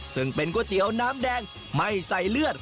ซึ่งเป็นก๋วยเตี๋ยวน้ำแดงไม่ใส่เลือด